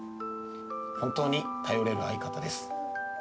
本当に頼れる相方です。